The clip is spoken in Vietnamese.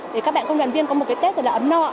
để các bạn công đoàn viên có một tết ấm nọ